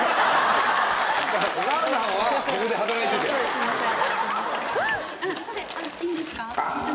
すいません。